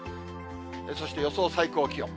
そして予想最高気温。